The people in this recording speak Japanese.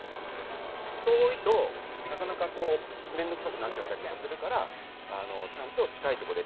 遠いとなかなか面倒くさくなっちゃったりとかするからちゃんと近いところでと。